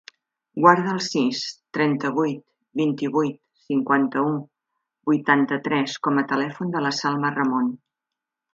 Guarda el sis, trenta-vuit, vint-i-vuit, cinquanta-u, vuitanta-tres com a telèfon de la Salma Ramon.